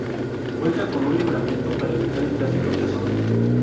Cuenta con un libramiento para evitar el tráfico en la zona.